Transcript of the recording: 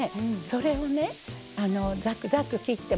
それを、ざくざく切って。